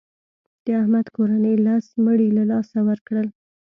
د احمد کورنۍ لس مړي له لاسه ورکړل.